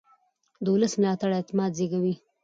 د ولس ملاتړ اعتماد زېږوي